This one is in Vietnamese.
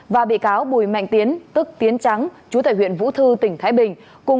và bị cáo bùi mạnh tiến tức tiến trắng chú tại huyện vũ thư tỉnh thái bình